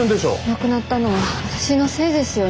亡くなったのは私のせいですよね。